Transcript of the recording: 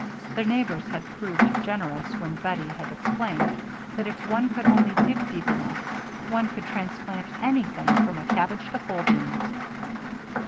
Their neighbors had proved generous when Bettie had explained that if one could only dig deep enough one could transplant anything, from a cabbage to pole beans.